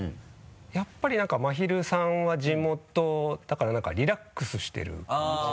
やっぱり何かまひるさんは地元だから何かリラックスしてる感じはい。